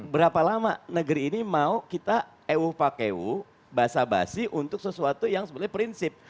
berapa lama negeri ini mau kita ewu pakewu basa basi untuk sesuatu yang sebenarnya prinsip